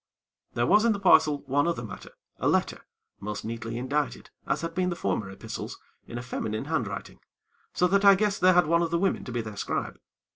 There was in the parcel, one other matter, a letter, most neatly indited, as had been the former epistles, in a feminine handwriting, so that I guessed they had one of the women to be their scribe.